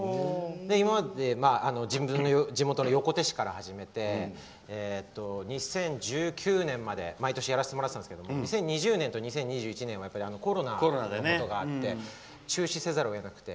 今まで横手市から始めて２０１９年まで毎年やらせてもらってたんですけど２０２０年と２０２１年はやっぱりコロナのことがあって中止せざるを得なくて。